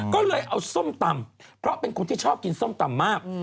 ก็เลยเอาส้มตำเพราะเป็นคนที่ชอบกินส้มตำมาก